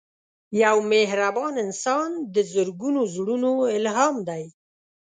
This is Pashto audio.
یو مهربان انسان د زرګونو زړونو الهام دی